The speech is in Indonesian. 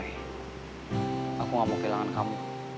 aku gak mau kehilangan kamu